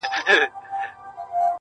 نه مي غاښ ته سي ډبري ټينگېدلاى!!